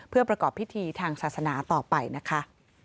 เพื่อประกอบพิธีทางศาสนาต่อไปนะคะ